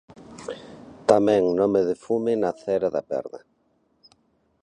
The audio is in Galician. Tamén 'Nomes de fume' nacera da perda.